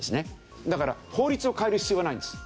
だから法律を変える必要がないんです。